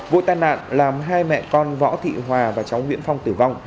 vụ tai nạn làm hai mẹ con võ thị hòa và cháu nguyễn phong tử vong